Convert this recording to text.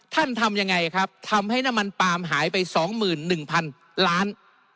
ทำยังไงครับทำให้น้ำมันปาล์มหายไป๒๑๐๐๐ล้าน